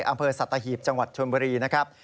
อำเภอสัตหีบจังหวัดชนบุรีนะครับ